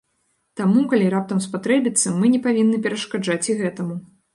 Таму, калі раптам спатрэбіцца, мы не павінны перашкаджаць і гэтаму.